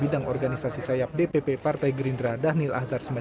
yang berpasangan dengan aulia rahman